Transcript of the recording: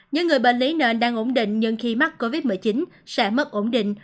những người bệnh lý nền đang ổn định nhưng khi mắc covid một mươi chín sẽ mất ổn định